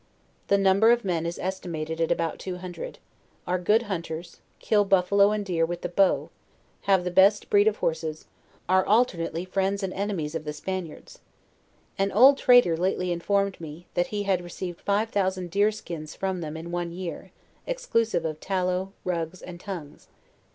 Their number of men is estimated at about two hundred; are gocd hunters, kill buffaloe and deer with the bow; have the best breed of horses; are alternately friends and ensmies of the Spaniards. An old trader lately informed me, that he had received five thousand deer skins from them in one year, ex clusive of tallow, rugs and tongues.